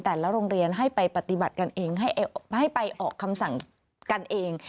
โรงเรียนให้ไปปฏิบัติกันเองให้ไปออกคำสั่งกันเอง